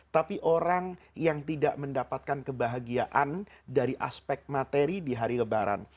tapi orang yang tidak mendapatkan kebahagiaan dari aspek materi di hari lebaran